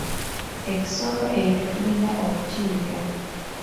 Ekisolo ekyo tulina okukiyigga.